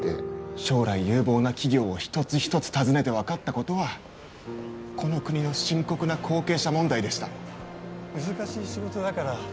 将来有望な企業を一つ一つ訪ねて分かったことはこの国の深刻な後継者問題でした難しい仕事だから